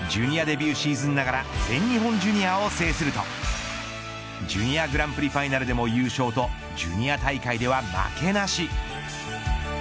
ジュニアデビューシーズンながら全日本ジュニアを制するとジュニアグランプリファイナルでも優勝とジュニア大会では負けなし。